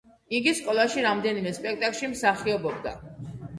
იგი სკოლაში რამდენიმე სპექტაკლში მსახიობობდა.